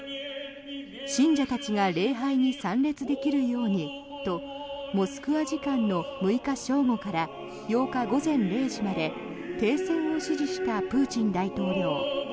信者たちが礼拝に参列できるようにとモスクワ時間の６日正午から８日午前０時まで停戦を指示したプーチン大統領。